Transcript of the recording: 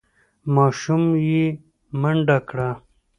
ماشوم یې منډه کړه.